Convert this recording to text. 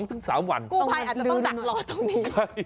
กู้พัยอาจจะต้องดักรอตรงนี้